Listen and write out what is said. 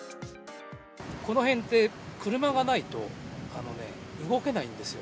この辺って車がないと動けないんですよ。